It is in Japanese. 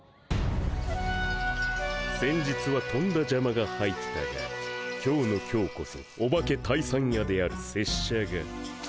先日はとんだじゃまが入ったが今日の今日こそオバケ退散やである拙者が。